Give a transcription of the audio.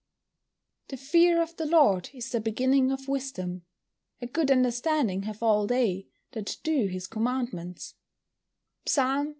[Verse: "The fear of the Lord is the beginning of wisdom: a good understanding have all they that do his commandments."